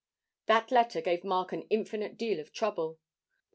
That letter gave Mark an infinite deal of trouble.